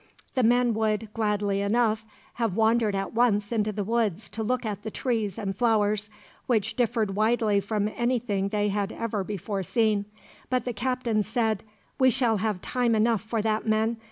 The men would, gladly enough, have wandered at once into the woods to look at the trees and flowers, which differed widely from anything they had ever before seen; but the captain said: "We shall have time enough for that, men.